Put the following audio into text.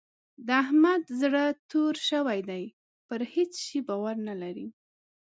د احمد زړه توری شوی دی؛ پر هيڅ شي باور نه لري.